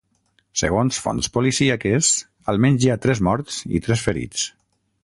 Segons fonts policíaques, almenys hi ha tres morts i tres ferits.